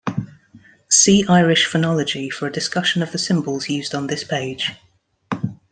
See Irish phonology for a discussion of the symbols used on this page.